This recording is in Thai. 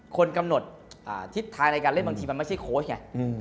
คนกำหนดทิศทางในการเล่นบางทีมันไม่ใช่โค้ชไง